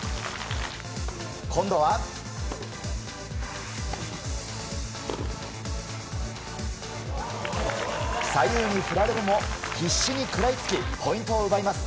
今度は、左右に振られても必死に食らいつきポイントを奪います。